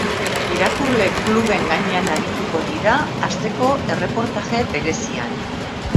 Irakurle kluben gainean arituko dira asteko erreportaje berezian.